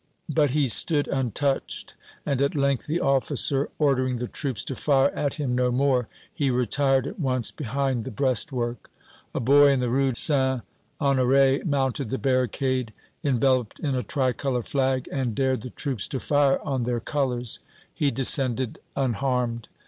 But he stood untouched, and, at length, the officer ordering the troops to fire at him no more, he retired at once behind the breastwork. A boy in the Rue St. Honoré mounted the barricade, enveloped in a tri color flag, and dared the troops to fire on their colors. He descended unharmed.